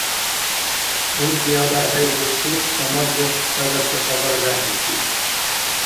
УркӀиагархӀейубси Самадли сагаси хабар бехӀбихьиб: